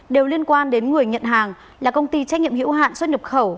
đều liên quan đến người nhận hàng là công ty trách nhiệm hữu hạn xuất nhập khẩu